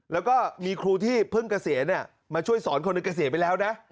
แล้วก็มีครูที่เพิ่งเกษียณมาช่วยสอนคนหนึ่งเกษียณไปแล้วนะ